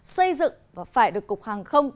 xây dựng và phải được cục hàng không